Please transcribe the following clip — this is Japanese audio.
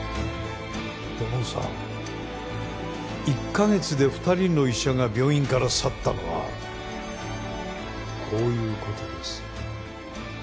１か月で２人の医者が病院から去ったのはこういう事です。